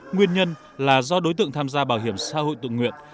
nguyên nhân là do đối tượng tham gia bảo hiểm xã hội tự nguyện